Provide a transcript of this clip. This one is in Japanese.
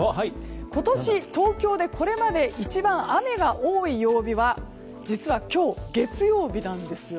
今年、東京でこれまで一番雨が多い曜日は実は今日、月曜日なんですよ。